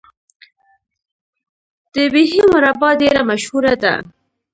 د بیحي مربا ډیره مشهوره ده.